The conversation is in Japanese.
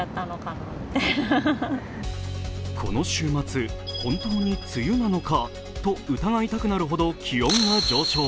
この週末、本当に梅雨なのかと疑いたくなるほど気温が上昇。